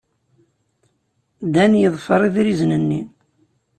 Dan yeḍfer idrizen-nni.